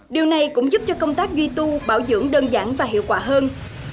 điều này cũng giúp cho công tác duy tu bảo dưỡng đơn giản và hiệu quả hơn